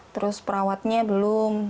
terus perawatnya belum